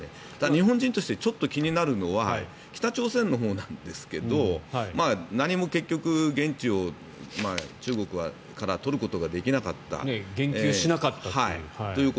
日本人としてちょっと気になるのは北朝鮮のほうなんですけど何も結局、言質を中国から言及しなかったという。